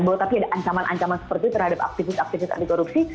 bahwa tapi ada ancaman ancaman seperti itu terhadap aktivis aktivis anti korupsi